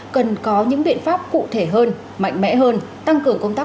cần có những biện pháp cụ thể hơn mạnh mẽ hơn tăng cường công tác